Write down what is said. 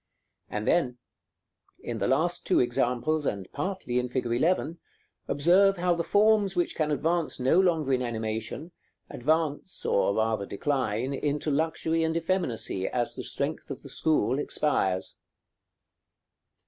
And then, in the last two examples and partly in fig. 11, observe how the forms which can advance no longer in animation, advance, or rather decline, into luxury and effeminacy as the strength of the school expires.